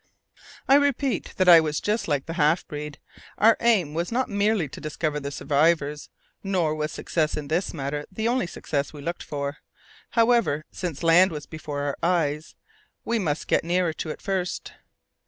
I repeat that I was just like the half breed. Our aim was not merely to discover the survivors, nor was success in this matter the only success we looked for. However, since land was before our eyes, we must get nearer to it first.